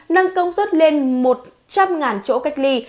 nâng công suất lên một trăm linh chỗ cách ly